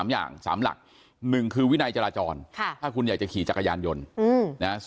๓อย่าง๓หลัก๑คือวินัยจราจรถ้าคุณอยากจะขี่จักรยานยนต์นะ